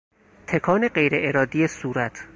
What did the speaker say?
تکان غیر ارادی صورت